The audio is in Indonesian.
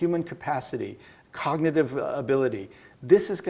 sekarang kita memiliki ide